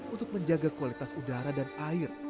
untuk menjaga kualitas udara dan air